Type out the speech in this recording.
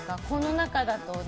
この中だと。